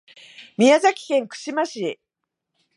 宮崎県串間市